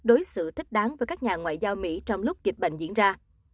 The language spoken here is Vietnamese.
đối xử thích đáng với các nhà ngoại giao mỹ trong lúc dịch bệnh diễn ra